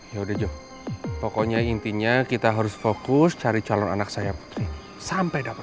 ya udah jo pokoknya intinya kita harus fokus cari calon anak saya putri sampai dapat